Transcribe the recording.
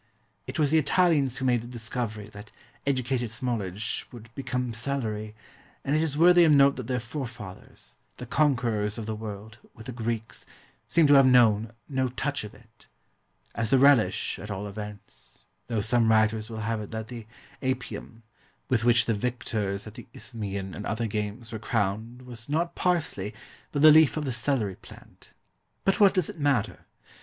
It was the Italians who made the discovery that educated smallage would become celery; and it is worthy of note that their forefathers, the conquerors of the world, with the Greeks, seem to have known "no touch of it" as a relish, at all events; though some writers will have it that the "Apium," with which the victors at the Isthmian and other games were crowned was not parsley but the leaf of the celery plant. But what does it matter?